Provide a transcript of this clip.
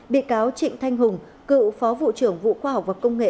bị cáo trịnh thanh hùng cựu phó vụ trưởng vụ khoa học và công nghệ